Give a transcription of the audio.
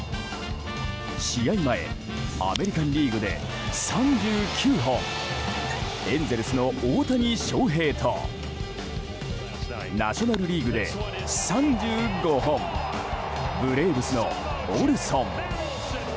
試合前アメリカン・リーグで３９本エンゼルスの大谷翔平とナショナル・リーグで３５本ブレーブスのオルソン。